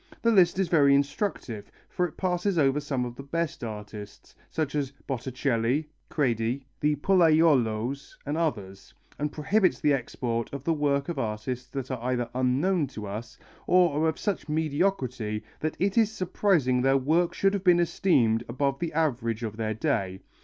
The list is very instructive, for it passes over some of the best artists, such as Botticelli, Credi, the Pollaiolos and others, and prohibits the export of the work of artists that are either unknown to us or are of such mediocrity that it is surprising their work should have been esteemed above the average of their day.